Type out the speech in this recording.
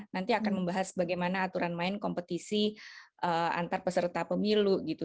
nanti akan membahas bagaimana aturan main kompetisi antar peserta pemilu gitu